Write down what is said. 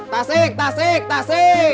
tasik tasik tasik